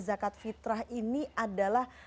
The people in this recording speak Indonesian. zakat fitrah ini adalah